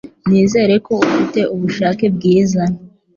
Nizere ko ufite ubushake bwiza.